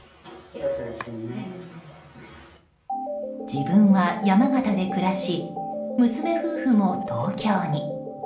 自分は山形で暮らし娘夫婦も東京に。